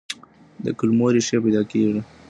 د کلمو ريښې پيدا کړئ.